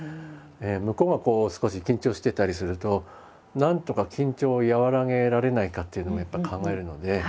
向こうがこう少し緊張してたりするとなんとか緊張を和らげられないかというのもやっぱり考えるので。